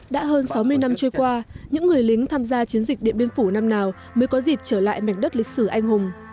đã hơn sáu mươi năm trôi qua những người lính tham gia chiến dịch điện biên phủ năm nào mới có dịp trở lại mảnh đất lịch sử anh hùng